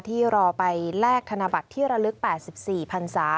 ที่รอไปแลกธนบัตรที่ระลึก๘๔พันศา